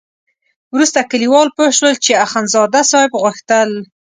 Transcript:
وروسته کلیوال پوه شول چې اخندزاده صاحب غوښتل.